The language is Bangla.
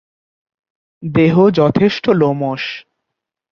দেহ যথেষ্ট লোমশ।